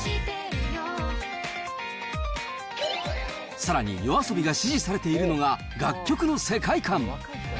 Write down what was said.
さらに、ＹＯＡＳＯＢＩが支持されているのが、楽曲の世界観。